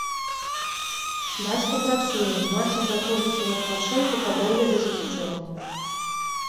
Бацька працуе, маці знаходзіцца ў адпачынку па доглядзе за дзіцем.